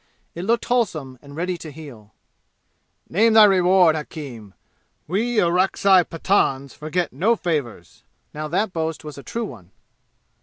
It looked wholesome and ready to heal. "Name thy reward, hakim! We Orakzai Pathans forget no favors!" (Now that boast was a true one.)